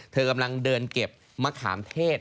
เธอกำลังเดินเก็บมะขามเทศ